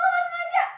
gue enggak sengaja